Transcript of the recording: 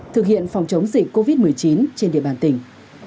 thực hiện phòng chống dịch covid một mươi chín trên địa bàn tỉnh